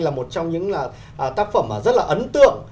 là một trong những tác phẩm rất là ấn tượng